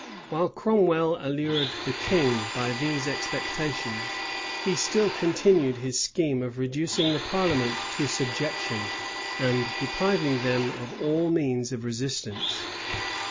While Cromwell allured the king by these expectations, he still continued his scheme of reducing the parliament to subjection, and depriving them of all means of resistance.